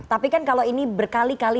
tapi kan kalau ini berkali kali